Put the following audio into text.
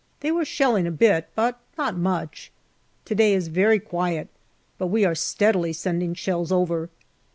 They were shelling a bit, but not much. To day is very quiet, but we are steadily sending shells over.